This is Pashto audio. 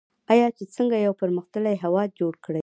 آیا چې څنګه یو پرمختللی هیواد جوړ کړي؟